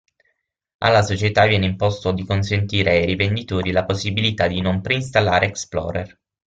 Alla società viene imposto di consentire ai rivenditori la possibilità di non preinstallare Explorer.